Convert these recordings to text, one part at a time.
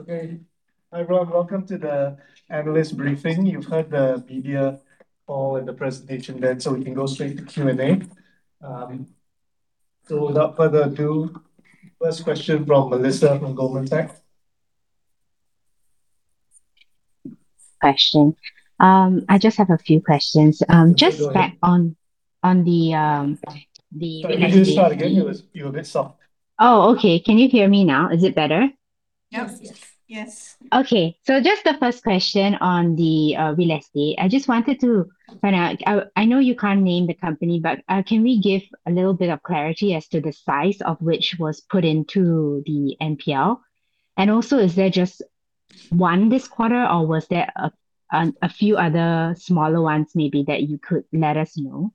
Okay, everyone, welcome to the analyst briefing. You've heard the media poll and the presentation then, so we can go straight to Q&A. Without further ado, first question from Melissa from Goldman Sachs. Question. I just have a few questions. Just back on the real estate. Can you just start again? You were a bit soft. Oh, okay. Can you hear me now? Is it better? Yep. Yes. Yes. Okay. So just the first question on the real estate. I just wanted to find out, I know you can't name the company, but can we give a little bit of clarity as to the size of which was put into the NPL? And also, is there just one this quarter, or was there a few other smaller ones maybe that you could let us know?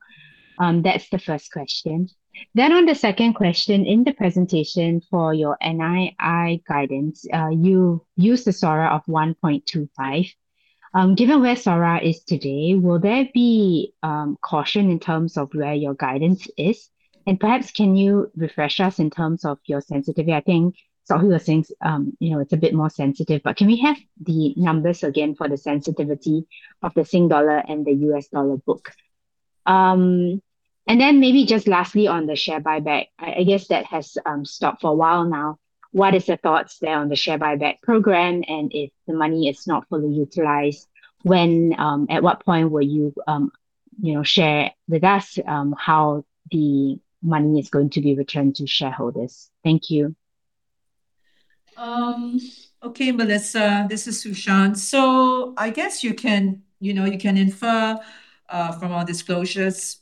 That's the first question. Then on the second question, in the presentation for your NII guidance, you used a SORA of 1.25. Given where SORA is today, will there be caution in terms of where your guidance is? And perhaps can you refresh us in terms of your sensitivity? I think Sok Hui was saying it's a bit more sensitive, but can we have the numbers again for the sensitivity of the Singapore dollar and the US dollar book? And then maybe just lastly, on the share buyback, I guess that has stopped for a while now, what are the thoughts there on the share buyback program, and if the money is not fully utilized, at what point will you share with us how the money is going to be returned to shareholders? Thank you. Okay, Melissa. This is Su Shan. So I guess you can infer from our disclosures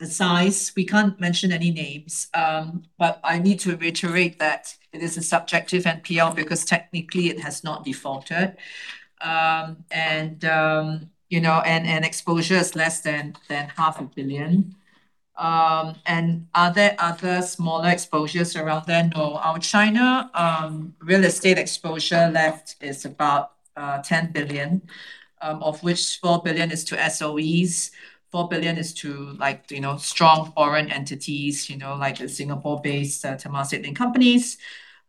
the size. We can't mention any names, but I need to reiterate that it is a subjective NPL because technically it has not defaulted, and exposure is less than 0.5 billion. Are there other smaller exposures around there? No. Our China real estate exposure left is about 10 billion, of which 4 billion is to SOEs, 4 billion is to strong foreign entities, like the Singapore-based Temasek-linked companies,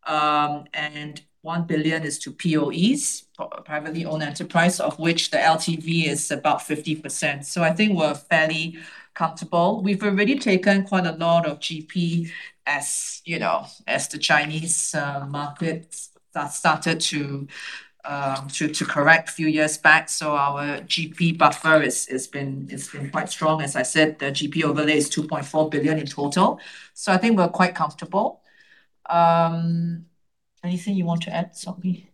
and 1 billion is to POEs, privately owned enterprises, of which the LTV is about 50%. So I think we're fairly comfortable. We've already taken quite a lot of GP as the Chinese market started to correct a few years back, so our GP buffer has been quite strong. As I said, the GP overlay is 2.4 billion in total, so I think we're quite comfortable. Anything you want to add, Sok Hui?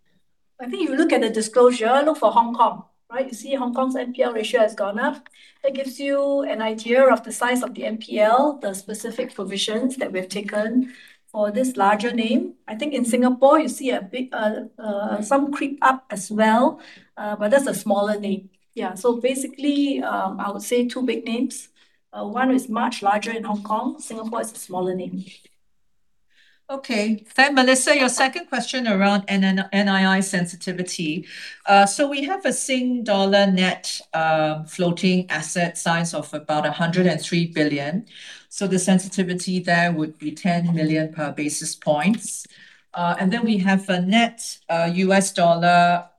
I think if you look at the disclosure, look for Hong Kong, right? You see Hong Kong's NPL ratio has gone up. That gives you an idea of the size of the NPL, the specific provisions that we've taken for this larger name. I think in Singapore, you see some creep up as well, but that's a smaller name. Yeah, so basically, I would say two big names. One is much larger in Hong Kong. Singapore is a smaller name. Okay. Then Melissa, your second question around NII sensitivity. So we have a Singapore dollar net floating asset size of about 103 billion. So the sensitivity there would be 10 million per basis point. And then we have a net US dollar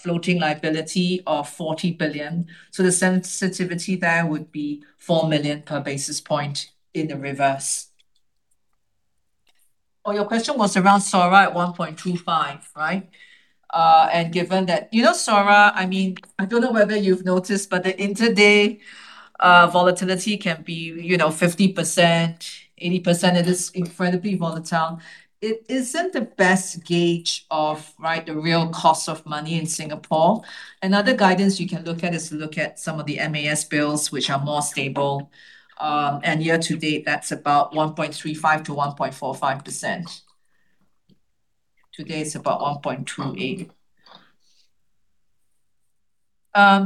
floating liability of $40 billion. So the sensitivity there would be $4 million per basis point in the reverse. Or your question was around SORA at 1.25%, right? And given that SORA I mean, I don't know whether you've noticed, but the intraday volatility can be 50%, 80%. It is incredibly volatile. It isn't the best gauge of the real cost of money in Singapore. Another guidance you can look at is to look at some of the MAS bills, which are more stable. And year to date, that's about 1.35%-1.45%. Today, it's about 1.28%.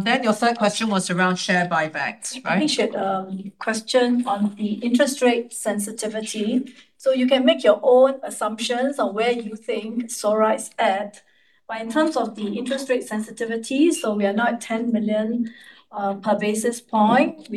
Then your third question was around share buybacks, right? I think it's a question on the interest rate sensitivity. So you can make your own assumptions on where you think SORA is at. But in terms of the interest rate sensitivity, so we are not at 10 million per basis point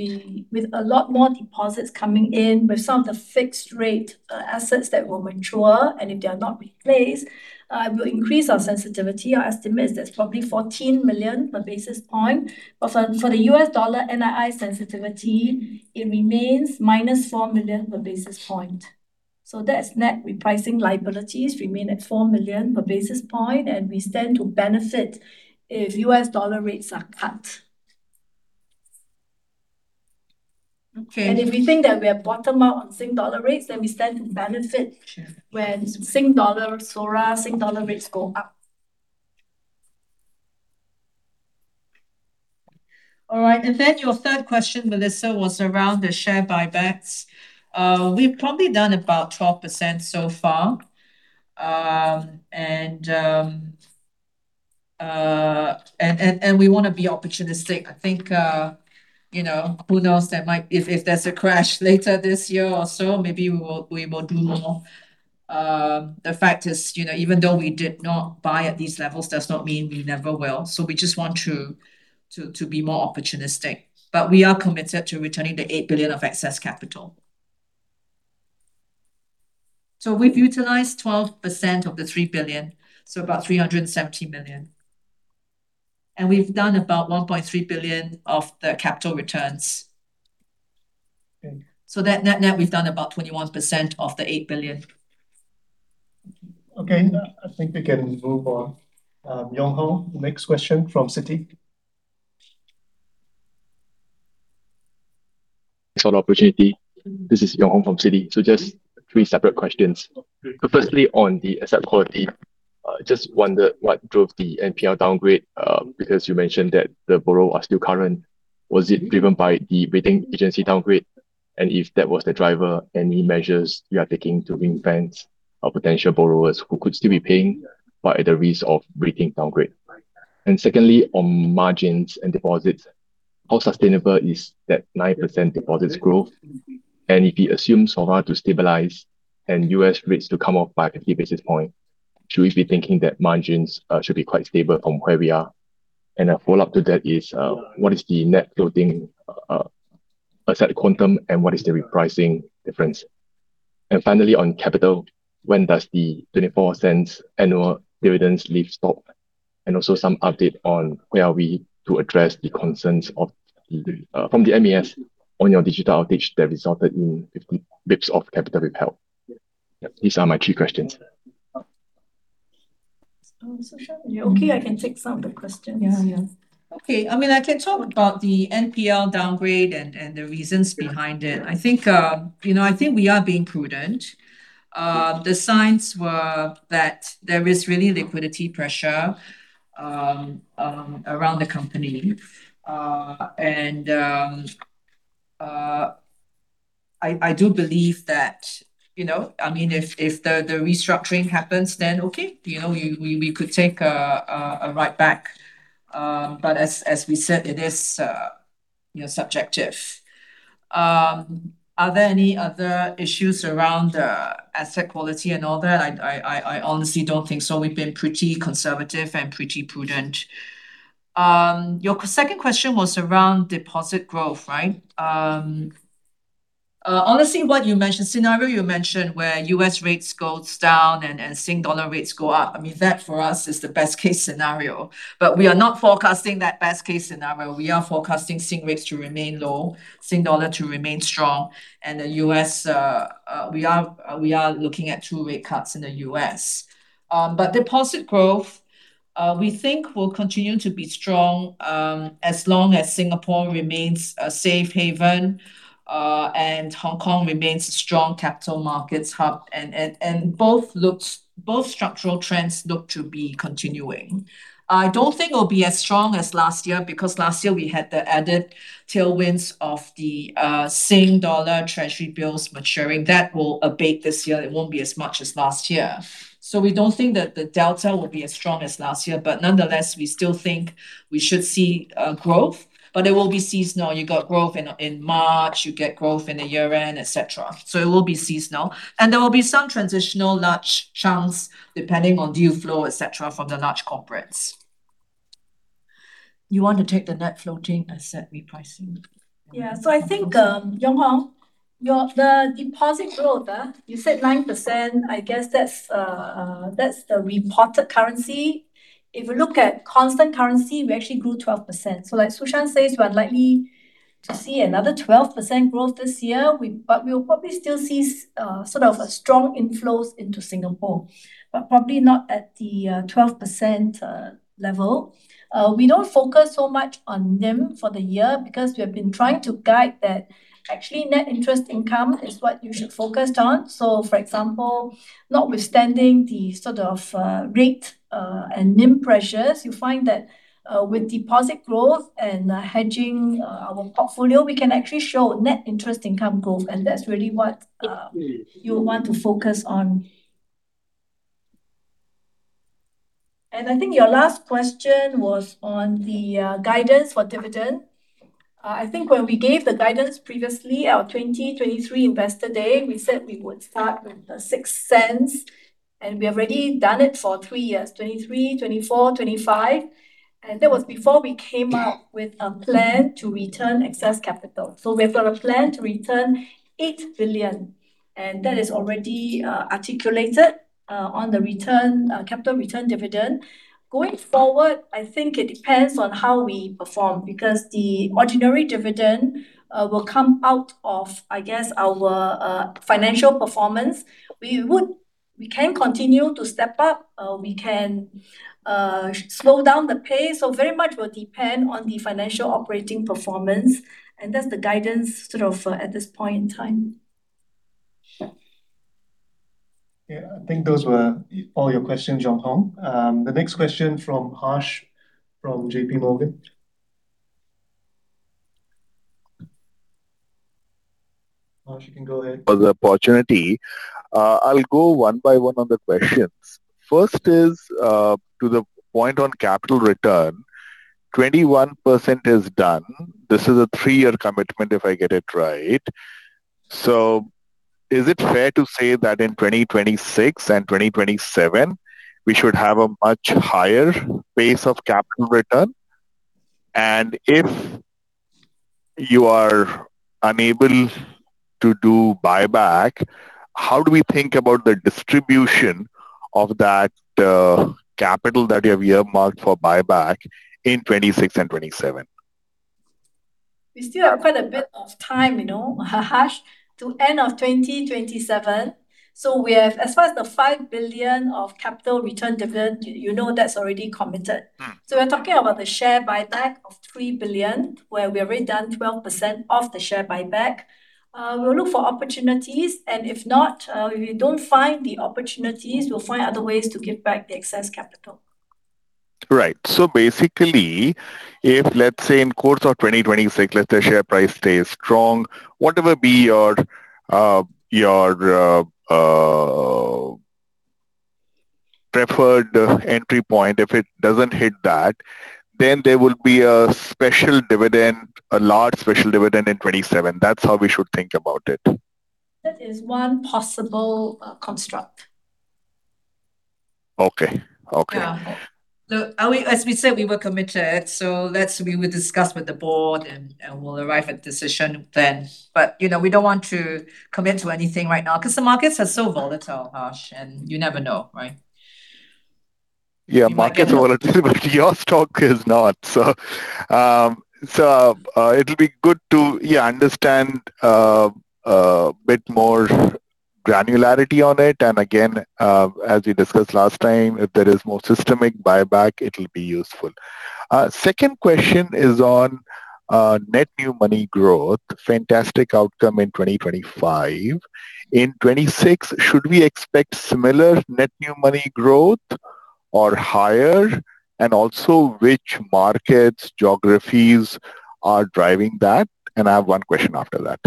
with a lot more deposits coming in, with some of the fixed-rate assets that will mature, and if they are not replaced, it will increase our sensitivity. Our estimate is that's probably 14 million per basis point. But for the US dollar NII sensitivity, it remains minus $4 million per basis point. So that's net repricing liabilities remain at $4 million per basis point, and we stand to benefit if US dollar rates are cut. And if we think that we are bottom-out on Singapore dollar rates, then we stand to benefit when Singapore dollar SORA Singapore dollar rates go up. All right. And then your third question, Melissa, was around the share buybacks. We've probably done about 12% so far, and we want to be opportunistic. I think who knows? If there's a crash later this year or so, maybe we will do more. The fact is, even though we did not buy at these levels, does not mean we never will. So we just want to be more opportunistic. But we are committed to returning the 8 billion of excess capital. So we've utilized 12% of the 3 billion, so about 370 million. And we've done about 1.3 billion of the capital returns. So net-net, we've done about 21% of the 8 billion. Okay. I think we can move on. Yong Hong, next question from Citi. On opportunity. This is Yong Hong from Citi. So just three separate questions. So firstly, on the asset quality, I just wondered what drove the NPL downgrade because you mentioned that the borrowers are still current. Was it driven by the rating agency downgrade? And if that was the driver, any measures you are taking to ringfence potential borrowers who could still be paying but at the risk of rating downgrade? And secondly, on margins and deposits, how sustainable is that 9% deposits growth? And if we assume SORA to stabilize and U.S. rates to come off by 50 basis points, should we be thinking that margins should be quite stable from where we are? And a follow-up to that is, what is the net floating asset quantum, and what is the repricing difference? And finally, on capital, when does the 0.24 annual dividends lift off? Also some update on where are we to address the concerns from the MAS on your digital outage that resulted in 50 basis points of capital withheld. These are my three questions. Shan, are you okay? I can take some of the questions. Yeah, yeah. Okay. I mean, I can talk about the NPL downgrade and the reasons behind it. I think we are being prudent. The signs were that there is really liquidity pressure around the company. And I do believe that I mean, if the restructuring happens, then okay, we could take a right back. But as we said, it is subjective. Are there any other issues around asset quality and all that? I honestly don't think so. We've been pretty conservative and pretty prudent. Your second question was around deposit growth, right? Honestly, what you mentioned, scenario you mentioned where U.S. rates go down and Singapore dollar rates go up, I mean, that for us is the best-case scenario. But we are not forecasting that best-case scenario. We are forecasting Singapore rates to remain low, Singapore dollar to remain strong. We are looking at 2 rate cuts in the U.S. Deposit growth, we think will continue to be strong as long as Singapore remains a safe haven and Hong Kong remains a strong capital markets hub. Both structural trends look to be continuing. I don't think it will be as strong as last year because last year we had the added tailwinds of the Singapore dollar treasury bills maturing. That will abate this year. It won't be as much as last year. We don't think that the delta will be as strong as last year. Nonetheless, we still think we should see growth. It will be seasonal. You got growth in March. You get growth in the year-end, etc. It will be seasonal. There will be some transitional large chunks depending on deal flow, etc., from the large corporates. You want to take the net floating asset repricing? Yeah. So I think, Yong Hong, the deposit growth, you said 9%. I guess that's the reported currency. If you look at constant currency, we actually grew 12%. So like Su Shan says, we're unlikely to see another 12% growth this year, but we'll probably still see sort of strong inflows into Singapore, but probably not at the 12% level. We don't focus so much on NIM for the year because we have been trying to guide that actually, net interest income is what you should focus on. So for example, notwithstanding the sort of rate and NIM pressures, you find that with deposit growth and hedging our portfolio, we can actually show net interest income growth. And that's really what you want to focus on. And I think your last question was on the guidance for dividend. I think when we gave the guidance previously, our 2023 investor day, we said we would start with the SGD 0.06. And we have already done it for three years, 2023, 2024, 2025. And that was before we came up with a plan to return excess capital. So we have got a plan to return 8 billion. And that is already articulated on the capital return dividend. Going forward, I think it depends on how we perform because the ordinary dividend will come out of, I guess, our financial performance. We can continue to step up. We can slow down the pay. So very much will depend on the financial operating performance. And that's the guidance sort of at this point in time. Yeah. I think those were all your questions, Yong Hong. The next question from Harsh from JPMorgan. Harsh, you can go ahead. For the opportunity, I'll go one by one on the questions. First is to the point on capital return. 21% is done. This is a three-year commitment if I get it right. So is it fair to say that in 2026 and 2027, we should have a much higher base of capital return? And if you are unable to do buyback, how do we think about the distribution of that capital that you have earmarked for buyback in 2026 and 2027? We still have quite a bit of time, Harsh, to end of 2027. So as far as the 5 billion of capital return dividend, you know that's already committed. So we're talking about the share buyback of 3 billion, where we have already done 12% of the share buyback. We'll look for opportunities. And if not, if we don't find the opportunities, we'll find other ways to give back the excess capital. Right. So basically, if, let's say, in course of 2026, let's say share price stays strong, whatever be your preferred entry point, if it doesn't hit that, then there will be a large special dividend in 2027. That's how we should think about it. That is one possible construct. Okay. Okay. Yeah. As we said, we were committed. So we will discuss with the board, and we'll arrive at a decision then. But we don't want to commit to anything right now because the markets are so volatile, Harsh, and you never know, right? Yeah. Markets are volatile, but your stock is not. So it'll be good to, yeah, understand a bit more granularity on it. And again, as we discussed last time, if there is more systemic buyback, it'll be useful. Second question is on net new money growth, fantastic outcome in 2025. In 2026, should we expect similar net new money growth or higher? And also, which markets, geographies are driving that? And I have one question after that.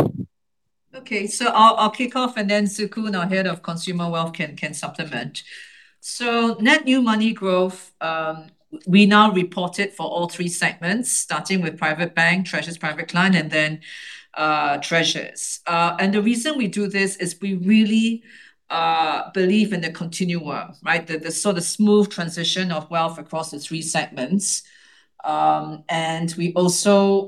Okay. So I'll kick off, and then Shee Tse Koon, our head of consumer wealth, can supplement. So net new money growth, we now report it for all three segments, starting with Private Bank, Treasures Private Client, and then Treasures. And the reason we do this is we really believe in the continuum, right, sort of smooth transition of wealth across the three segments. And we also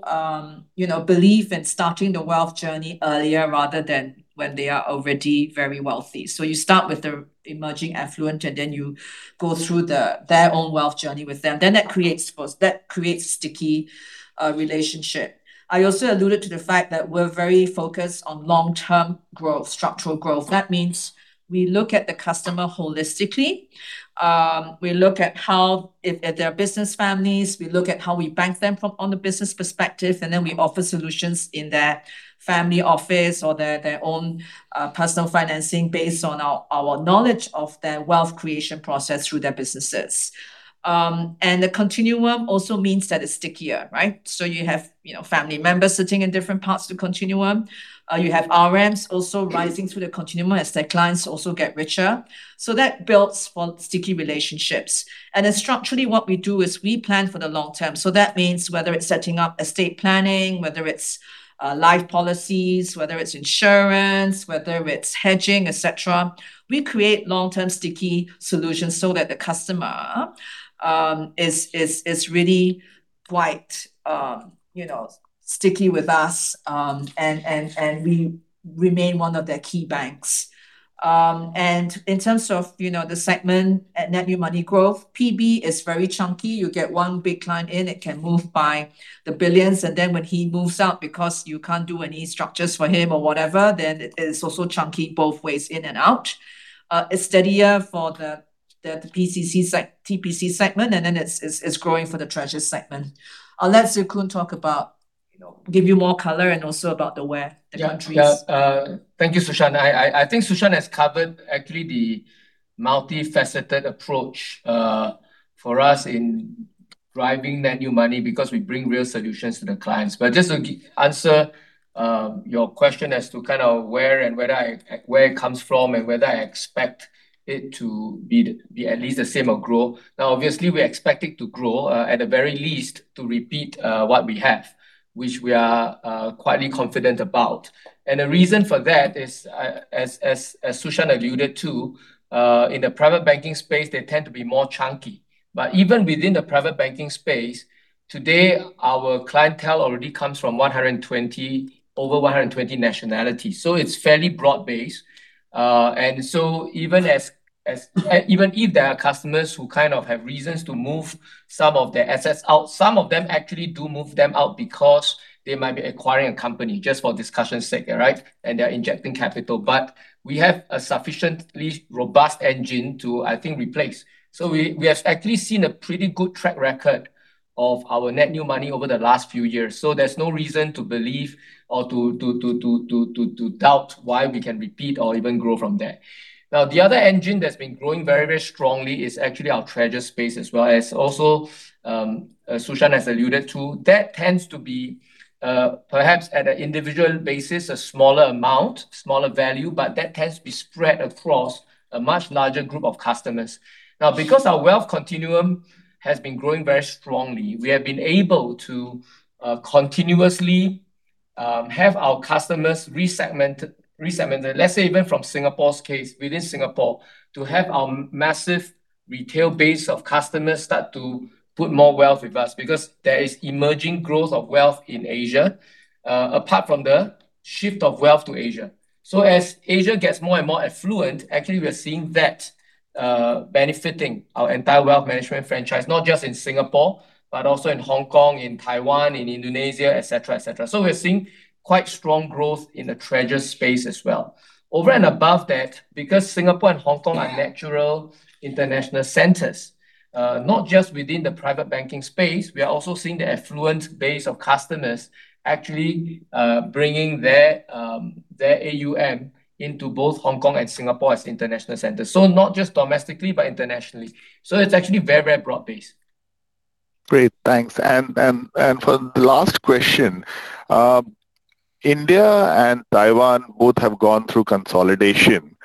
believe in starting the wealth journey earlier rather than when they are already very wealthy. So you start with the emerging affluent, and then you go through their own wealth journey with them. Then that creates sticky relationship. I also alluded to the fact that we're very focused on long-term growth, structural growth. That means we look at the customer holistically. We look at if they're business families, we look at how we bank them from the business perspective, and then we offer solutions in their family office or their own personal financing based on our knowledge of their wealth creation process through their businesses. And the continuum also means that it's stickier, right? So you have family members sitting in different parts of the continuum. You have RMs also rising through the continuum as their clients also get richer. So that builds for sticky relationships. And then structurally, what we do is we plan for the long term. So that means whether it's setting up estate planning, whether it's life policies, whether it's insurance, whether it's hedging, etc. We create long-term sticky solutions so that the customer is really quite sticky with us, and we remain one of their key banks. In terms of the segment at net new money growth, PB is very chunky. You get one big client in. It can move by the billions. And then when he moves out because you can't do any structures for him or whatever, then it is also chunky both ways, in and out. It's steadier for the TPC segment, and then it's growing for the treasures segment. I'll let Shee Tse Koon talk about give you more color and also about the where the country is. Yeah. Thank you, Su Shan. I think Su Shan has covered, actually, the multifaceted approach for us in driving net new money because we bring real solutions to the clients. But just to answer your question as to kind of where it comes from and whether I expect it to be at least the same or grow. Now, obviously, we expect it to grow, at the very least, to repeat what we have, which we are quite confident about. And the reason for that is, as Su Shan alluded to, in the private banking space, they tend to be more chunky. But even within the private banking space, today, our clientele already comes from over 120 nationalities. So it's fairly broad-based. And so even if there are customers who kind of have reasons to move some of their assets out, some of them actually do move them out because they might be acquiring a company, just for discussion's sake, right, and they're injecting capital. But we have a sufficiently robust engine to, I think, replace. So we have actually seen a pretty good track record of our net new money over the last few years. So there's no reason to believe or to doubt why we can repeat or even grow from there. Now, the other engine that's been growing very, very strongly is actually our Treasures space, as well as also, as Susan has alluded to, that tends to be perhaps at an individual basis, a smaller amount, smaller value, but that tends to be spread across a much larger group of customers. Now, because our wealth continuum has been growing very strongly, we have been able to continuously have our customers resegmented, let's say, even from Singapore's case, within Singapore, to have our massive retail base of customers start to put more wealth with us because there is emerging growth of wealth in Asia, apart from the shift of wealth to Asia. So as Asia gets more and more affluent, actually, we are seeing that benefiting our entire wealth management franchise, not just in Singapore, but also in Hong Kong, in Taiwan, in Indonesia, etc., etc. So we are seeing quite strong growth in the Treasures space as well. Over and above that, because Singapore and Hong Kong are natural international centers, not just within the private banking space, we are also seeing the affluent base of customers actually bringing their AUM into both Hong Kong and Singapore as international centers, so not just domestically, but internationally. So it's actually very, very broad-based. Great. Thanks. And for the last question, India and Taiwan both have gone through consolidation.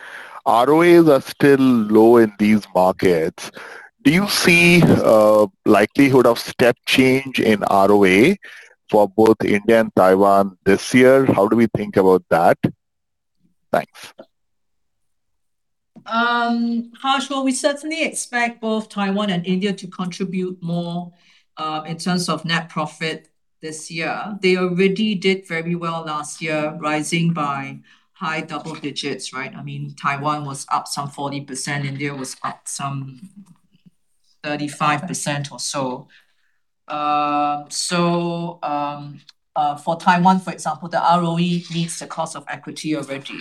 ROAs are still low in these markets. Do you see likelihood of step change in ROA for both India and Taiwan this year? How do we think about that? Thanks. Harsh, well, we certainly expect both Taiwan and India to contribute more in terms of net profit this year. They already did very well last year, rising by high double digits, right? I mean, Taiwan was up some 40%. India was up some 35% or so. So for Taiwan, for example, the ROE meets the cost of equity already.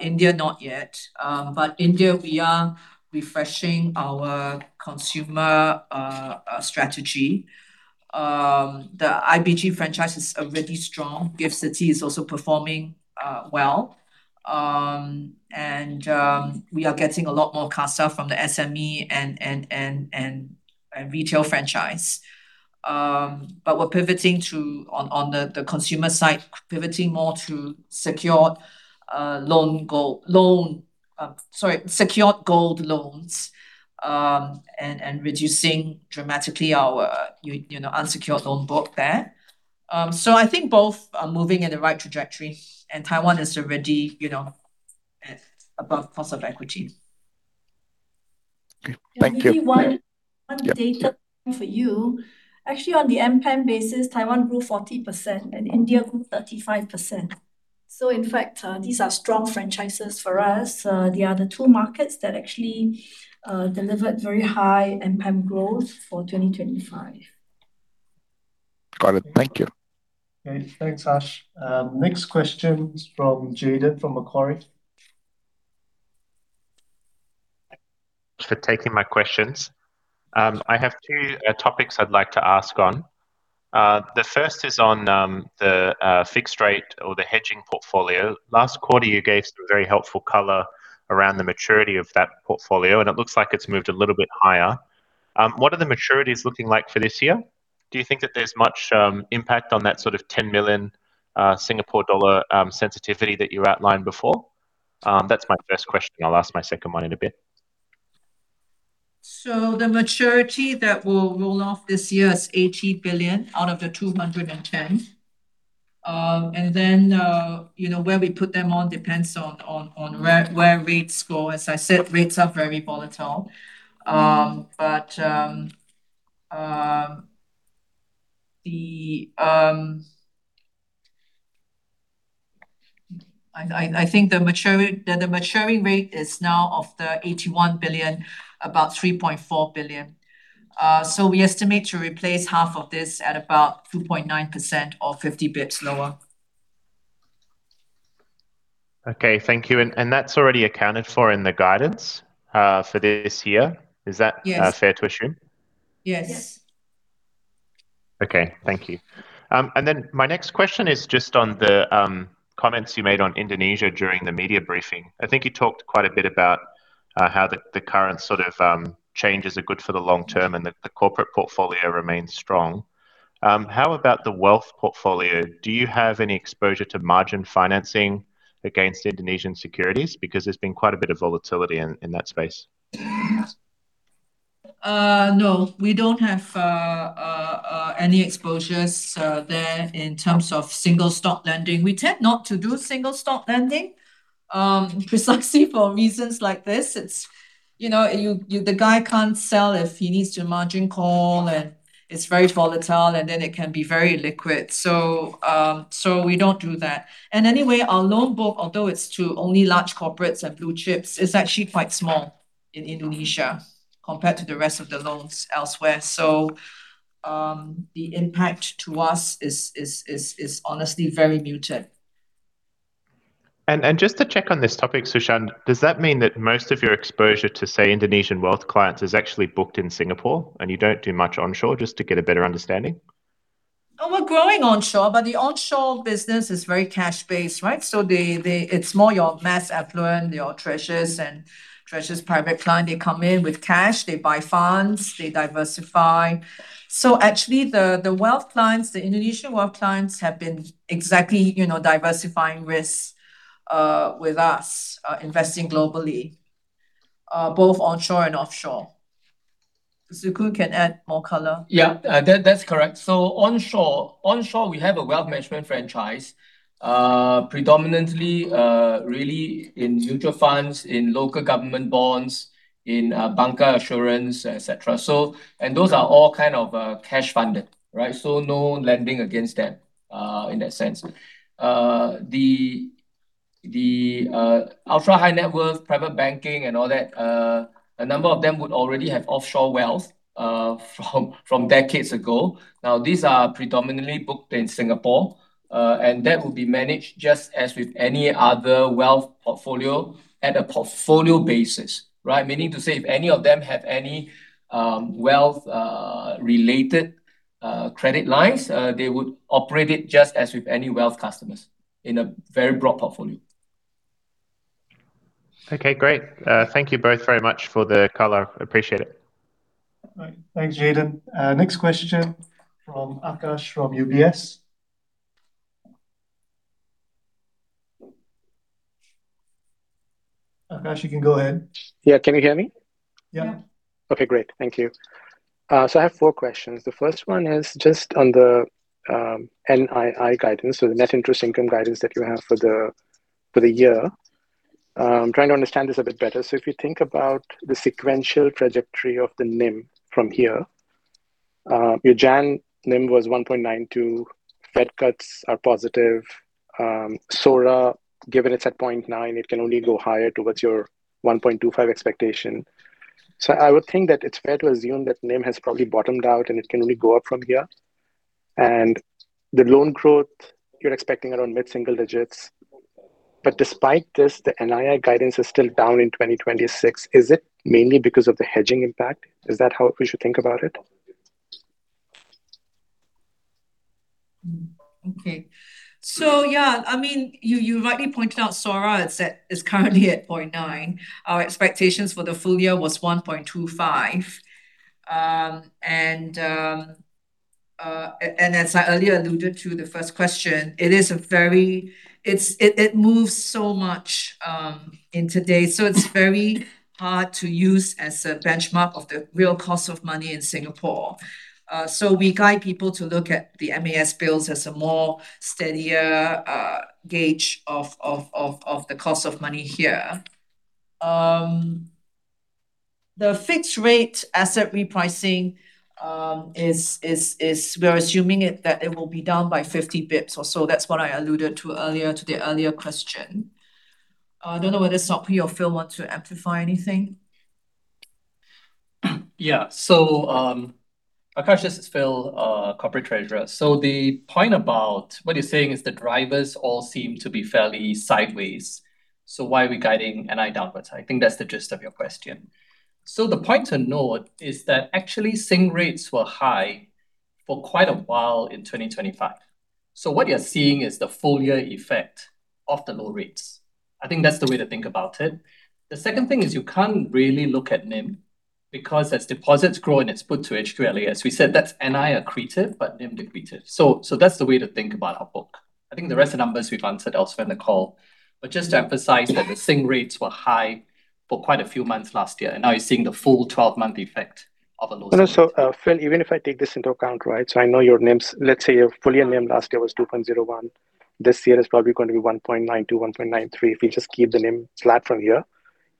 India, not yet. But India, we are refreshing our consumer strategy. The IBG franchise is already strong. GIFT City is also performing well. And we are getting a lot more CASA from the SME and retail franchise. But we're pivoting to, on the consumer side, pivoting more to secured loan, sorry, secured gold loans, and reducing dramatically our unsecured loan book there. So I think both are moving in the right trajectory. And Taiwan is already above cost of equity. Okay. Thank you. Maybe one data point for you. Actually, on the NPAT basis, Taiwan grew 40%, and India grew 35%. So in fact, these are strong franchises for us. They are the two markets that actually delivered very high NPAT growth for 2025. Got it. Thank you. Great. Thanks, Harsh. Next question's from Jayden from Macquarie. Thanks for taking my questions. I have two topics I'd like to ask on. The first is on the fixed rate or the hedging portfolio. Last quarter, you gave some very helpful color around the maturity of that portfolio, and it looks like it's moved a little bit higher. What are the maturities looking like for this year? Do you think that there's much impact on that sort of 10 million Singapore dollar sensitivity that you outlined before? That's my first question. I'll ask my second one in a bit. The maturity that will roll off this year is 80 billion out of the 210. Then where we put them on depends on where rates go. As I said, rates are very volatile. But I think the maturing rate is now of the 81 billion, about 3.4 billion. So we estimate to replace half of this at about 2.9% or 50 basis points lower. Okay. Thank you. That's already accounted for in the guidance for this year. Is that fair to assume? Yes. Yes. Okay. Thank you. And then my next question is just on the comments you made on Indonesia during the media briefing. I think you talked quite a bit about how the current sort of changes are good for the long term and that the corporate portfolio remains strong. How about the wealth portfolio? Do you have any exposure to margin financing against Indonesian securities? Because there's been quite a bit of volatility in that space. No, we don't have any exposures there in terms of single-stock lending. We tend not to do single-stock lending, precisely for reasons like this. The guy can't sell if he needs to margin call, and it's very volatile, and then it can be very liquid. So we don't do that. Anyway, our loan book, although it's to only large corporates and blue chips, is actually quite small in Indonesia compared to the rest of the loans elsewhere. So the impact to us is honestly very muted. Just to check on this topic, Su Shan, does that mean that most of your exposure to, say, Indonesian wealth clients is actually booked in Singapore and you don't do much onshore, just to get a better understanding? Oh, we're growing onshore, but the onshore business is very cash-based, right? So it's more your mass affluent, your Treasures, and Treasures Private Client. They come in with cash. They buy funds. They diversify. So actually, the wealth clients, the Indonesian wealth clients, have been exactly diversifying risks with us, investing globally, both onshore and offshore. Shee Tse Koon can add more color. Yeah. That's correct. So onshore, we have a wealth management franchise, predominantly really in mutual funds, in local government bonds, in bancassurance, etc. And those are all kind of cash-funded, right? So no lending against them in that sense. The ultra-high net worth private banking and all that, a number of them would already have offshore wealth from decades ago. Now, these are predominantly booked in Singapore, and that would be managed just as with any other wealth portfolio at a portfolio basis, right? Meaning to say, if any of them have any wealth-related credit lines, they would operate it just as with any wealth customers in a very broad portfolio. Okay. Great. Thank you both very much for the color. Appreciate it. All right. Thanks, Jayden. Next question from Aakash from UBS. Aakash, you can go ahead. Yeah. Can you hear me? Yeah. Okay. Great. Thank you. So I have four questions. The first one is just on the NII guidance, so the net interest income guidance that you have for the year. I'm trying to understand this a bit better. So if you think about the sequential trajectory of the NIM from here, your Jan NIM was 1.92. Fed cuts are positive. SORA, given it's at 0.9, it can only go higher towards your 1.25 expectation. So I would think that it's fair to assume that NIM has probably bottomed out, and it can only go up from here. And the loan growth, you're expecting around mid-single digits. But despite this, the NII guidance is still down in 2026. Is it mainly because of the hedging impact? Is that how we should think about it? Okay. So yeah, I mean, you rightly pointed out SORA. It's currently at 0.9. Our expectations for the full year was 1.25. And as I earlier alluded to the first question, it moves so much in today, so it's very hard to use as a benchmark of the real cost of money in Singapore. So we guide people to look at the MAS bills as a more steadier gauge of the cost of money here. The fixed-rate asset repricing, we're assuming that it will be down by 50 bits or so. That's what I alluded to earlier to the earlier question. I don't know whether Sok Hui or Phil want to amplify anything. Yeah. So Aakash, this is Phil, Corporate Treasurer. So the point about what you're saying is the drivers all seem to be fairly sideways. So why are we guiding NII downwards? I think that's the gist of your question. So the point to note is that actually, Sing rates were high for quite a while in 2025. So what you're seeing is the full-year effect of the low rates. I think that's the way to think about it. The second thing is you can't really look at NIM because as deposits grow and it's put to HQLA's, we said that's NII accretive but NIM dilutive. So that's the way to think about our book. I think the rest of the numbers we've answered elsewhere in the call. But just to emphasize that the Sing rates were high for quite a few months last year, and now you're seeing the full 12-month effect of a low Sing rate. No, no. So Phil, even if I take this into account, right, so I know your NIMs, let's say your full-year NIM last year was 2.01, this year is probably going to be 1.92-1.93. If we just keep the NIM flat from here,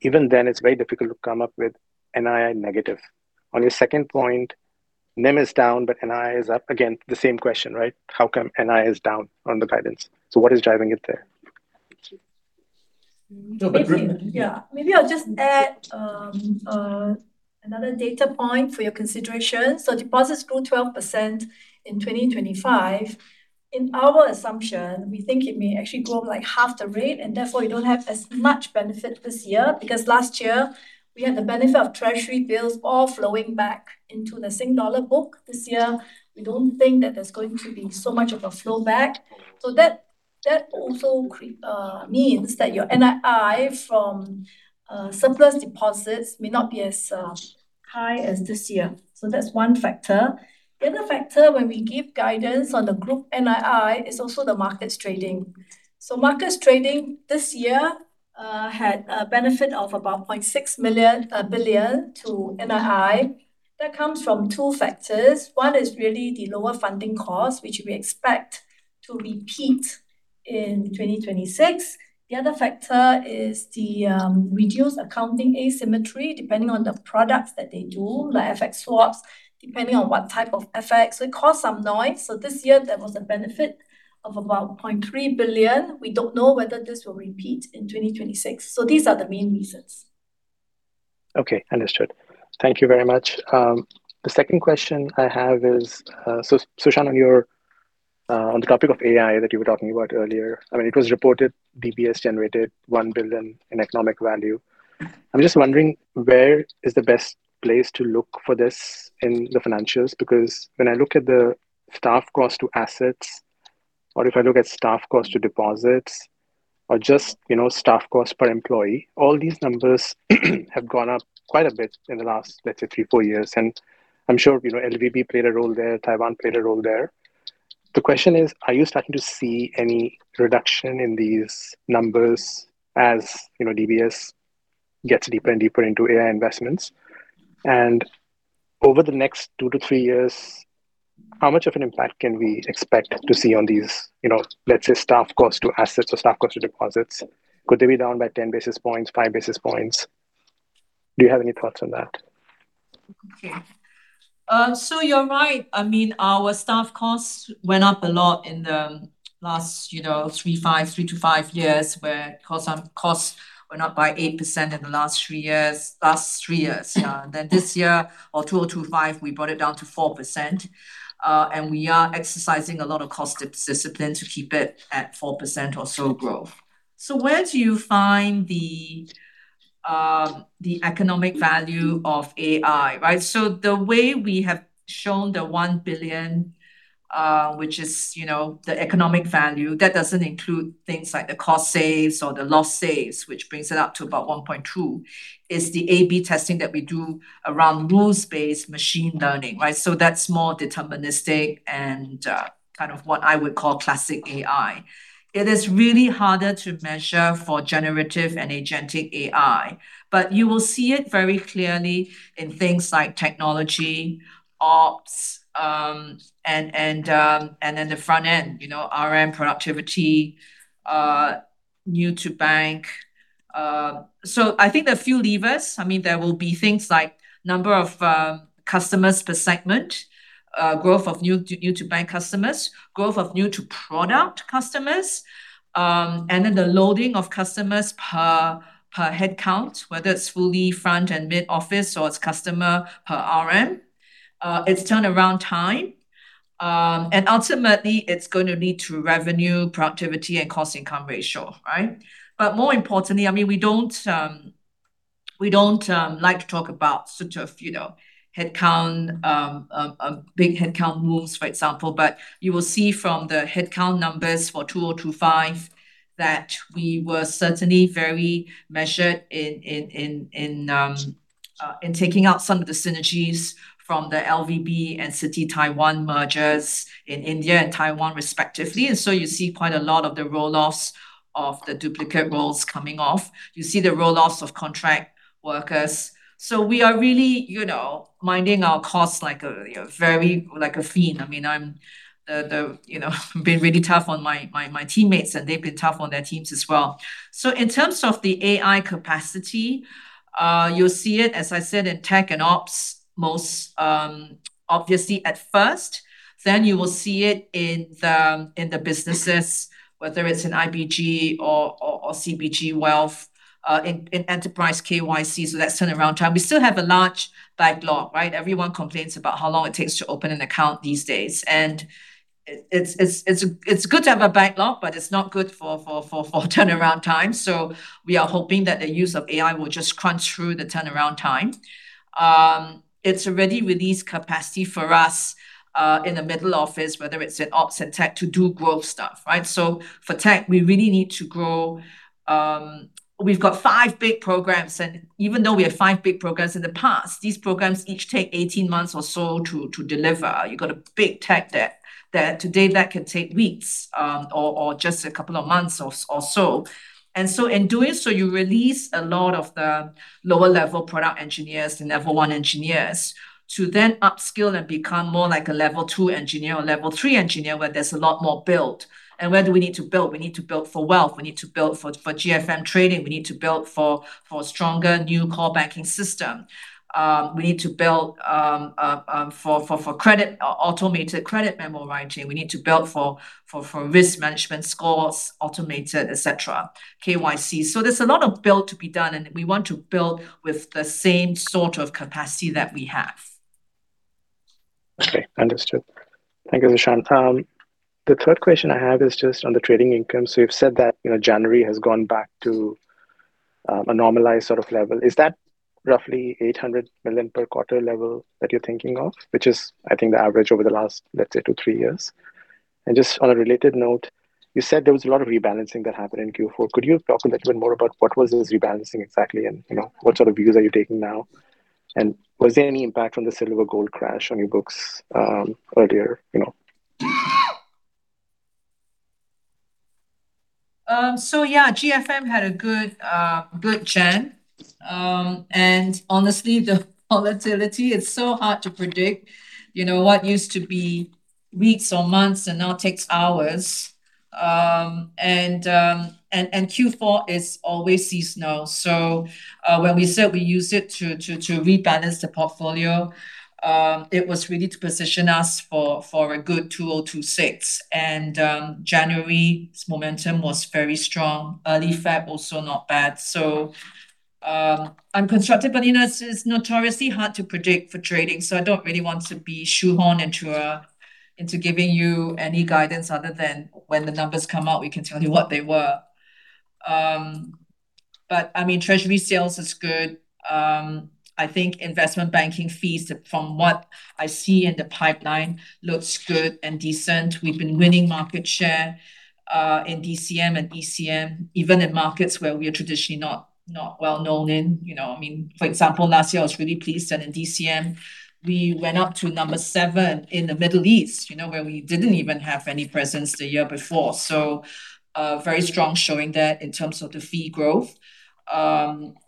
even then, it's very difficult to come up with NII negative. On your second point, NIM is down, but NII is up. Again, the same question, right? How come NII is down on the guidance? So what is driving it there? Thank you. Yeah. Maybe I'll just add another data point for your consideration. So deposits grew 12% in 2025. In our assumption, we think it may actually grow like half the rate, and therefore, you don't have as much benefit this year because last year, we had the benefit of treasury bills all flowing back into the Sing dollar book. This year, we don't think that there's going to be so much of a flowback. So that also means that your NII from surplus deposits may not be as high as this year. So that's one factor. The other factor, when we give guidance on the group NII, is also the markets trading. So markets trading this year had a benefit of about 0.6 billion to NII. That comes from two factors. One is really the lower funding cost, which we expect to repeat in 2026. The other factor is the reduced accounting asymmetry, depending on the products that they do, like FX swaps, depending on what type of FX. So it caused some noise. So this year, there was a benefit of about 0.3 billion. We don't know whether this will repeat in 2026. So these are the main reasons. Okay. Understood. Thank you very much. The second question I have is, Su Shan, on the topic of AI that you were talking about earlier, I mean, it was reported DBS generated 1 billion in economic value. I'm just wondering, where is the best place to look for this in the financials? Because when I look at the staff cost to assets, or if I look at staff cost to deposits, or just staff cost per employee, all these numbers have gone up quite a bit in the last, let's say, three, four years. And I'm sure LVB played a role there. Taiwan played a role there. The question is, are you starting to see any reduction in these numbers as DBS gets deeper and deeper into AI investments? Over the next 2-3 years, how much of an impact can we expect to see on these, let's say, staff cost to assets or staff cost to deposits? Could they be down by 10 basis points, 5 basis points? Do you have any thoughts on that? Okay. So you're right. I mean, our staff costs went up a lot in the last 3-5 years where costs went up by 8% in the last 3 years. Last 3 years, yeah. And then this year, or 2025, we brought it down to 4%. And we are exercising a lot of cost discipline to keep it at 4% or so growth. So where do you find the economic value of AI, right? So the way we have shown the 1 billion, which is the economic value, that doesn't include things like the cost saves or the loss saves, which brings it up to about 1.2 billion, is the A/B testing that we do around rules-based machine learning, right? So that's more deterministic and kind of what I would call classic AI. It is really harder to measure for generative and agentic AI. But you will see it very clearly in things like technology, ops, and then the front end, RM, productivity, new-to-bank. So I think there are a few levers. I mean, there will be things like number of customers per segment, growth of new-to-bank customers, growth of new-to-product customers, and then the loading of customers per headcount, whether it's fully front and mid-office or it's customer per RM. It's turnaround time. And ultimately, it's going to lead to revenue, productivity, and cost-income ratio, right? But more importantly, I mean, we don't like to talk about sort of headcount, big headcount moves, for example. But you will see from the headcount numbers for 2025 that we were certainly very measured in taking out some of the synergies from the LVB and Citi Taiwan mergers in India and Taiwan, respectively. And so you see quite a lot of the roll-offs of the duplicate roles coming off. You see the roll-offs of contract workers. So we are really minding our costs like a very fiend. I mean, I've been really tough on my teammates, and they've been tough on their teams as well. So in terms of the AI capacity, you'll see it, as I said, in tech and ops, obviously at first. Then you will see it in the businesses, whether it's in IBG or CBG Wealth, in enterprise KYC. So that's turnaround time. We still have a large backlog, right? Everyone complains about how long it takes to open an account these days. And it's good to have a backlog, but it's not good for turnaround time. So we are hoping that the use of AI will just crunch through the turnaround time. It's already released capacity for us in the middle office, whether it's in ops and tech, to do growth stuff, right? So for tech, we really need to grow. We've got 5 big programs. And even though we have 5 big programs in the past, these programs each take 18 months or so to deliver. You've got a big tech that today, that can take weeks or just a couple of months or so. And so in doing so, you release a lot of the lower-level product engineers, the level 1 engineers, to then upskill and become more like a level 2 engineer or level 3 engineer where there's a lot more built. And where do we need to build? We need to build for wealth. We need to build for GFM trading. We need to build for a stronger new core banking system. We need to build for automated credit memo writing. We need to build for risk management scores, automated, etc., KYC. So there's a lot of build to be done, and we want to build with the same sort of capacity that we have. Okay. Understood. Thank you, Su Shan. The third question I have is just on the trading income. So you've said that January has gone back to a normalized sort of level. Is that roughly 800 million per quarter level that you're thinking of, which is, I think, the average over the last, let's say, two, three years? And just on a related note, you said there was a lot of rebalancing that happened in Q4. Could you talk a little bit more about what was this rebalancing exactly, and what sort of views are you taking now? And was there any impact from the silver-gold crash on your books earlier? So yeah, GFM had a good run. And honestly, the volatility, it's so hard to predict. What used to be weeks or months and now takes hours. And Q4 is always seasonal. So when we said we use it to rebalance the portfolio, it was really to position us for a good 2026. And January's momentum was very strong. Early Feb also not bad. So I'm constructive, but it's notoriously hard to predict for trading. So I don't really want to be shoehorned into giving you any guidance other than when the numbers come out, we can tell you what they were. But I mean, treasury sales is good. I think investment banking fees, from what I see in the pipeline, looks good and decent. We've been winning market share in DCM and ECM, even in markets where we are traditionally not well known in. I mean, for example, last year, I was really pleased that in DCM, we went up to number 7 in the Middle East, where we didn't even have any presence the year before. So very strong showing that in terms of the fee growth. And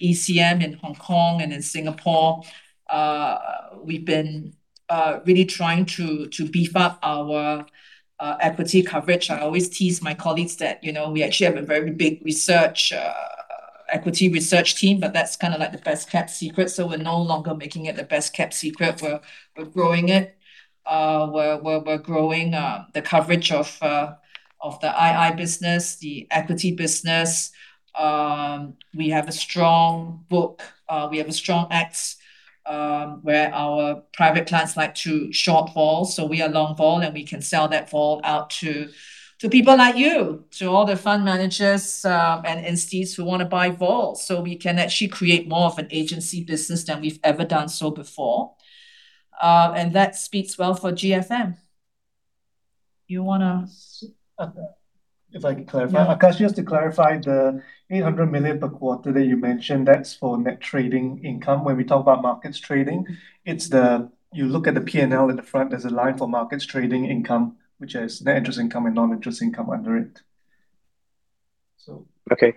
ECM in Hong Kong and in Singapore, we've been really trying to beef up our equity coverage. I always tease my colleagues that we actually have a very big equity research team, but that's kind of like the best-kept secret. So we're no longer making it the best-kept secret. We're growing it. We're growing the coverage of the II business, the equity business. We have a strong book. We have a strong axe where our private clients like to short vol. So we are long vol, and we can sell that vol out to people like you, to all the fund managers and entities who want to buy vols. So we can actually create more of an agency business than we've ever done so before. And that speaks well for GFM. You want to. If I could clarify, Akash, just to clarify the 800 million per quarter that you mentioned, that's for net trading income. When we talk about markets trading, you look at the P&L in the front. There's a line for markets trading income, which has net interest income and non-interest income under it. So. Okay.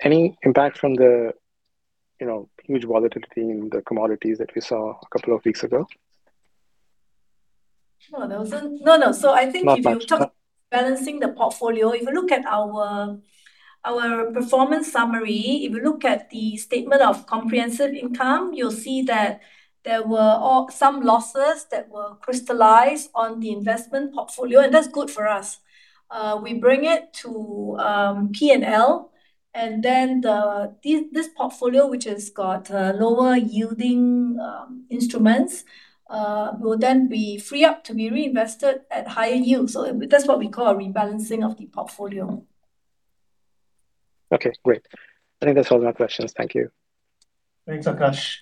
Any impact from the huge volatility in the commodities that we saw a couple of weeks ago? No, no. So I think if you talk about balancing the portfolio, if you look at our performance summary, if you look at the statement of comprehensive income, you'll see that there were some losses that were crystallized on the investment portfolio. And that's good for us. We bring it to P&L. And then this portfolio, which has got lower-yielding instruments, will then be free up to be reinvested at higher yield. So that's what we call a rebalancing of the portfolio. Okay. Great. I think that's all my questions. Thank you. Thanks, Akash.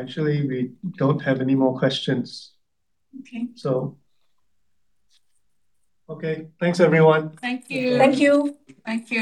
Actually, we don't have any more questions. Okay. So. Okay. Thanks, everyone. Thank you. Thank you. Thank you.